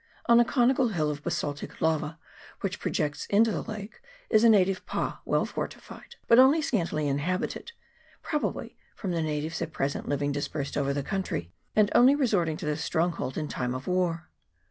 On a conical hill of basaltic lava which projects into the lake is a native pa, well fortified, but only scantily inhabited, probably from the natives at present living dispersed over the country, and only resorting to this strong hold in time of war.